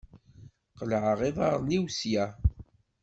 Qleɛ iḍaṛṛen-im sya!